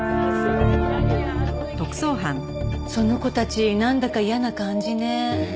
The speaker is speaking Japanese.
その子たちなんだか嫌な感じね。